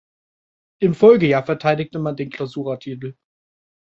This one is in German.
Im Folgejahr verteidigte man den Clausura-Titel.